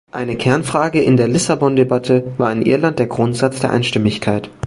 Eine Kernfrage in der Lissabon-Debatte war in Irland der Grundsatz der Einstimmigkeit.